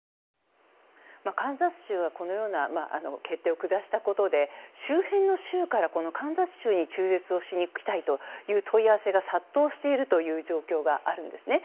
カンザス州はこのような決定を下したことで周辺の州からカンザス州に中絶をしに来たいという問い合わせが殺到している状況があるんですね。